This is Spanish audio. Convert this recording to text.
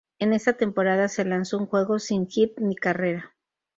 En esta temporada se lanzó un juego sin hit ni carrera.